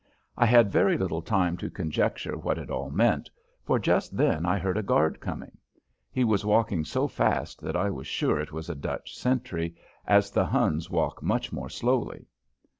I had very little time to conjecture what it all meant, for just then I heard a guard coming. He was walking so fast that I was sure it was a Dutch sentry, as the Huns walk much more slowly.